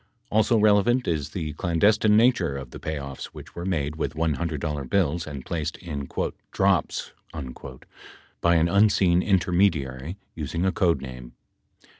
Also relevant is the clandestine nature of the payoffs which were made with $100 bills and placed in "drops" by an unseen intermediary using a code name.